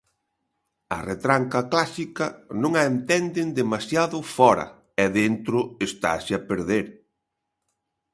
A retranca clásica non a entenden demasiado fóra e dentro estase a perder.